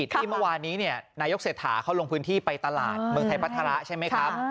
ที่เมื่อวานนี้นายกเศรษฐาเขาลงพื้นที่ไปตลาดเมืองไทยพัฒระใช่ไหมครับ